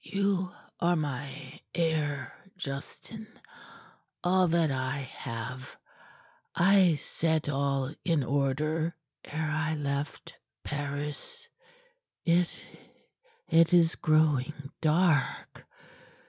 "You are my heir, Justin. All that I have I set all in order ere I left Paris. It it is growing dark.